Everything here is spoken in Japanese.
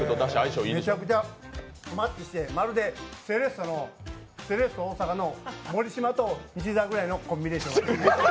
めちゃくちゃマッチして、まるでセレッソ大阪の森島と石田くらいのコンビネーション。